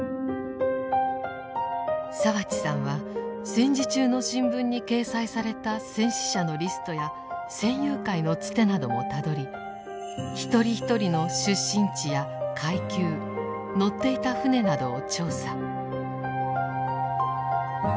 澤地さんは戦時中の新聞に掲載された戦死者のリストや戦友会のつてなどもたどり一人一人の出身地や階級乗っていた艦船などを調査。